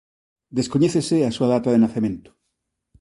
Descoñécese a súa data de nacemento.